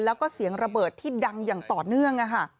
แล้วก็เสียงระเบิดที่ดังอย่างต่อเนื่อง